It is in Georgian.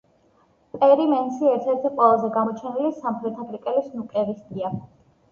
პერი მენსი ერთ-ერთი ყველაზე გამოჩენილი სამხრეთაფრიკელი სნუკერისტია.